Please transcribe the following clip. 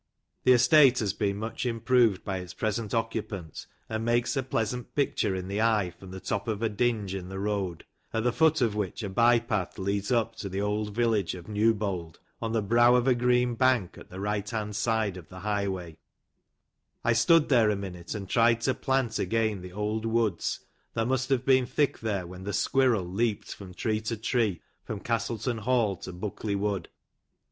The estate has been much improved by its present occupant, and makes a pleasant picture in the eye from the top of a dinge in the road, at the foot of which a by path leads up to the old village of Newbold, on the brow of a green bank, at the right hand side of the highway, I stood there a minute, and tried to plant again the old woods, that must have been thick there, when the squirrel leaped from tree to tree, from Castleton Hall to Buckley Wood.